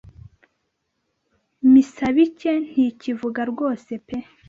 Misabike ntikivuga rwose pe